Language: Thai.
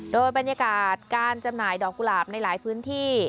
โดยบรรยากาศการจำหน่ายดอกกุหลาบในหลายพื้นที่